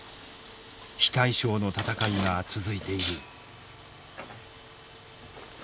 非対称の戦いが続いている。